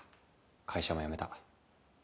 会社も辞めた。